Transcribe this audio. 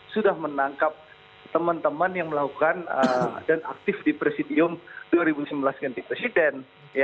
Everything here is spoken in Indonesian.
sudah menangkap teman teman yang melakukan dan aktif di presidium dua ribu sembilan belas ganti presiden